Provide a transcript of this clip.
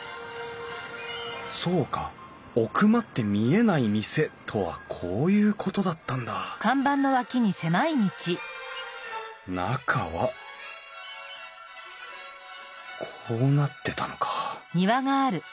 そうか「奥まって見えない店」とはこういうことだったんだ中はこうなってたのか。